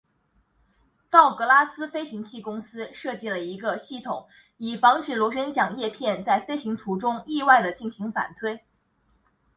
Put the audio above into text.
道格拉斯飞行器公司设计了一个系统以防止螺旋桨叶片在飞行途中意外地进行反推。